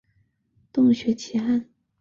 洞穴奇案。